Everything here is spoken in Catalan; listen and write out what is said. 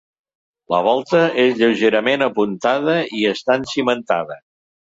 La volta és lleugerament apuntada i està encimentada.